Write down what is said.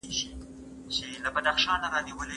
زلمي، زلمي کلونه جهاني قبر ته توی سول